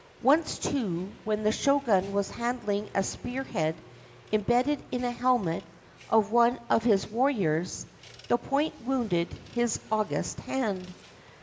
Once, too, when the Shogunwas handling a spear head embedded in a helmet of one of his war riors, the point wounded his august hand.